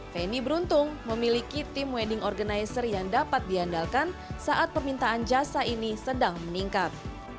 feni beruntung memiliki tim wedding organizer yang dapat diandalkan saat permintaan jasa ini sedang meningkat